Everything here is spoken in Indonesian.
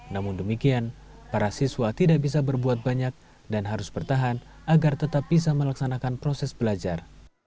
namun demikian para siswa tidak bisa berbuat banyak dan harus bertahan agar tetap bisa melaksanakan proses belajar